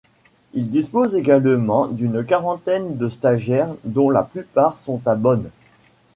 Il dispose également d’une quarantaine de stagiaires, dont la plupart sont à Bonn.